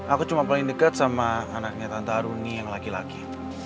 aku cuma paling dekat sama anaknya tante aruni yang laki laki